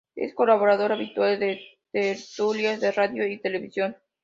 Es colaborador habitual en tertulias de radio y televisión.